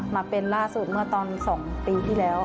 มาเป็นล่าสุดเมื่อตอน๒ปีที่แล้ว